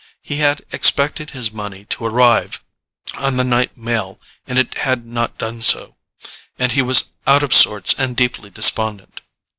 He had expected his money to arrive on the night mail and it had not done so, and he was out of sorts and deeply despondent.